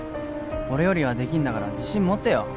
おれよりはできるんだから自信もてよ」